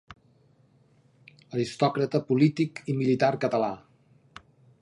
Aristòcrata polític i militar català.